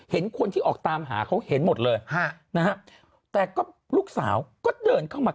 เห็นคนที่ออกตามหาเขาเห็นหมดเลยฮะนะฮะแต่ก็ลูกสาวก็เดินเข้ามา